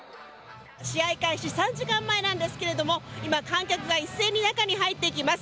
試合開始３時間前なんですけれども今、観客が一斉に中に入っていきます。